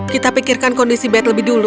kita pikirkan kondisi bed lebih dulu